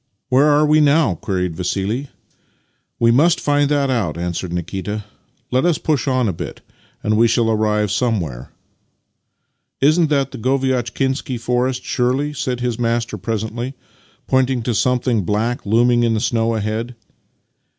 " Where are we now? " queried Vassili. " We must find that out," answered Nikita. " Let us push on a bit, and we shall arrive somewhere." " Isn't that the Goviatchkinsky forest, surely? " said his master presentl5^ pointing to something black looming through the snow ahead.